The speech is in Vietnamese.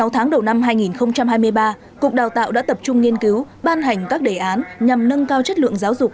sáu tháng đầu năm hai nghìn hai mươi ba cục đào tạo đã tập trung nghiên cứu ban hành các đề án nhằm nâng cao chất lượng giáo dục